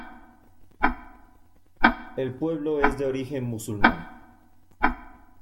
El pueblo es de origen musulmán.